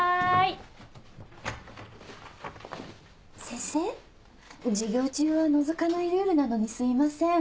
先生授業中はのぞかないルールなのにすいません。